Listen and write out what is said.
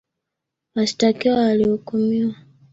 Washtakiwa walihukumiwa